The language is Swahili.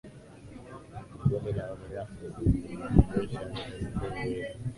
Bonde la Wami Ruvu linajumuisha mito mikuu miwili